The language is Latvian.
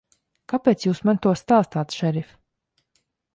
Kāpēc Jūs man to stāstāt, šerif?